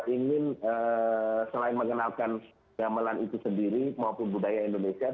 ingin selain mengenalkan gamelan itu sendiri maupun budaya indonesia